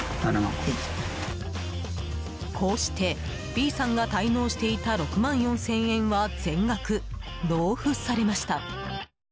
こうしてＢさんが滞納していた６万４０００円は全額、納付されました。